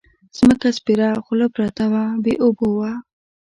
ځمکه سپېره خوله پرته وه بې اوبو وه.